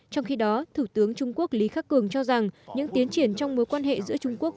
trong khi đó thủ tướng trung quốc lý khắc cường cho rằng những tiến triển trong mối quan hệ giữa trung quốc